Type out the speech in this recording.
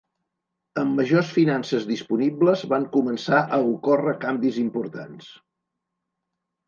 Amb majors finances disponibles, van començar a ocórrer canvis importants.